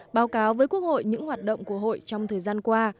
báo cáo với quốc hội những hoạt động của hội trong thời gian qua